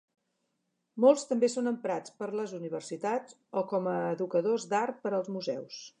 Molts també són emprats per les universitats o com a educadors d'art per als museus.